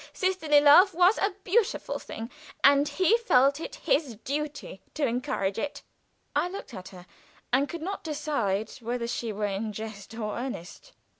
Sisterly love was a beautiful thing, and he felt it his duty to encourage it." I looked at her, and could not decide whether she were in jest or earnest.